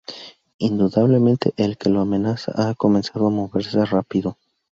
Indudablemente, el que lo amenaza ha comenzado a moverse rápido.